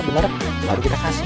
baru kita kasih